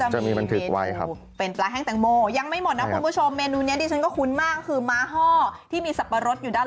ข้างบัวแห่งสันยินดีต้อนรับทุกท่านนะครับ